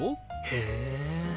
へえ！